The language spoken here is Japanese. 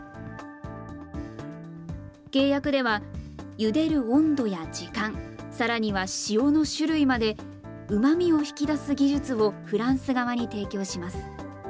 契約では、ゆでる温度や時間、さらには塩の種類まで、うまみを引き出す技術をフランス側に提供します。